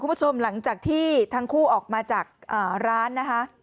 คุณผู้ชมหลังจากที่ทั้งคู่ออกมาจากร้านนะคะ